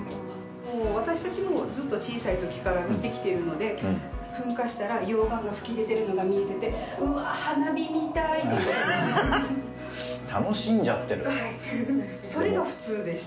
もう私たちも、ずっと小さいときから見てきてるので、噴火したら、溶岩が噴き出てるのが見えてて、うわ、花火みたいって言ってました。